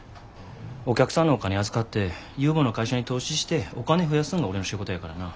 お客さんのお金預かって有望な会社に投資してお金増やすんが俺の仕事やからな。